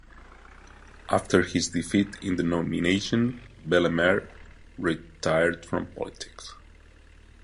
After his defeat in the nomination, Bellemare retired from politics.